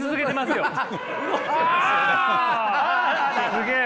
すげえ。